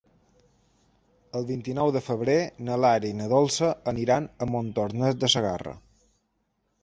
El vint-i-nou de febrer na Lara i na Dolça aniran a Montornès de Segarra.